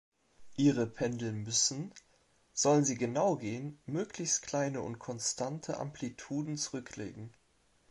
Ihre Pendel müssen, sollen sie genau gehen, möglichst kleine und konstante Amplituden zurücklegen.